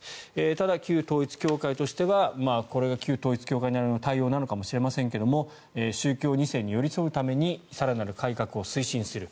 ただ、旧統一教会としてはこれが旧統一教会なりの対応なのかもしれませんが宗教２世に寄り添うために更なる改革を推進する。